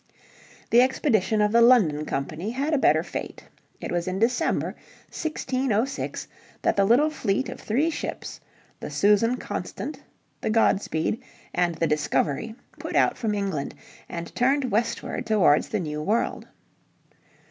The expedition of the London Company had a better fate. It was in December, 1606, that the little fleet of three ships, the Susan Constant, the Godspeed and the Discovery, put out from England, and turned westward towards the New World.